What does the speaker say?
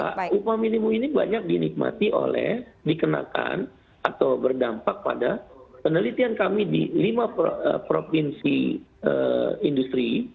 karena upah minimum ini banyak dinikmati oleh dikenakan atau berdampak pada penelitian kami di lima provinsi industri